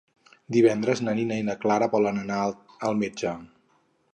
Divendres na Nina i na Clara volen anar al metge.